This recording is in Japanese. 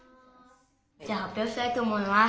じゃあ発表したいと思います。